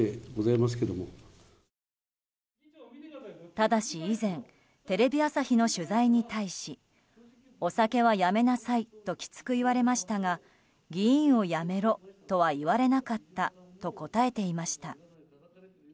ただし、以前テレビ朝日の取材に対しお酒はやめなさいときつく言われましたが議員を辞めろとは言われなかったと答えていました。